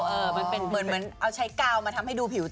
เหมือนใช้กาวมาทำให้ดูผิวเติม